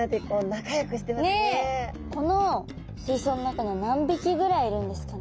この水槽の中には何匹ぐらいいるんですかね。